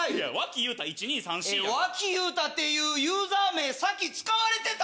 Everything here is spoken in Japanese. えっワキユウタっていうユーザー名先使われてた？